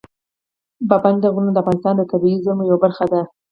پابندي غرونه د افغانستان د طبیعي زیرمو یوه برخه ده.